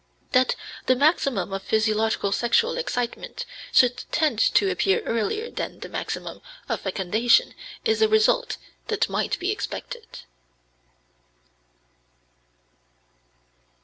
That the maximum of physiological sexual excitement should tend to appear earlier than the maximum of fecundation is a result that might be expected.